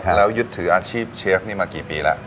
แล้วยึดถืออาชีพเชฟนี่มากี่ปีแล้ว